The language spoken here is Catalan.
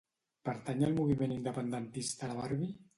Pertany al moviment independentista la Barbi?